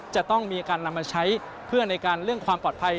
จะต้องมีการนำมาใช้เพื่อในการเรื่องความปลอดภัย